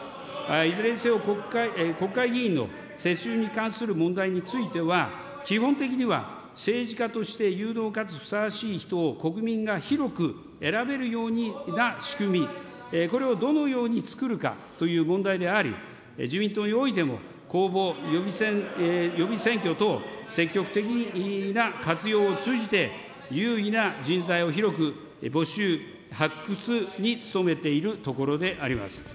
いずれにせよ国会議員の世襲に関する問題については、基本的には政治家として有能かつふさわしい人を、国民が広く選べるような仕組み、これをどのようにつくるかという問題であり、自民党においても、公募、予備選挙等積極的な活用を通じて、有意義な人材を広く募集、発掘に努めているところであります。